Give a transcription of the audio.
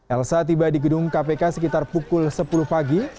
elsa tiba di gedung kpk sekitar pukul sepuluh pagi